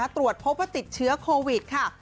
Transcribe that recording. ตรวจพบว่าติดเชื้อโควิดค่ะ